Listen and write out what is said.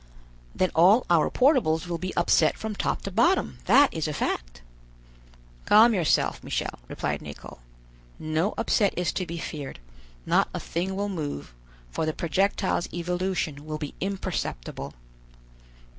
"Then all our portables will be upset from top to bottom, that is a fact." "Calm yourself, Michel," replied Nicholl; "no upset is to be feared; not a thing will move, for the projectile's evolution will be imperceptible."